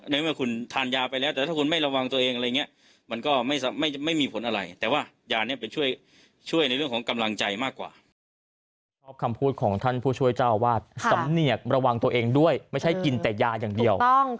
ไม่ว่าคุณทานยาไปแล้วแต่ถ้าคุณไม่ระวังตัวเองอะไรอย่างนี้